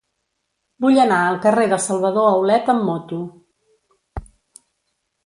Vull anar al carrer de Salvador Aulet amb moto.